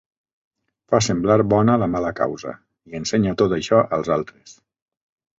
Fa semblar bona la mala causa, i ensenya tot això als altres.